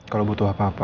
kalau butuh apa apa